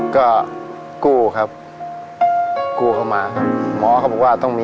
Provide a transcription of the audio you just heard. ขาเข่าข้าง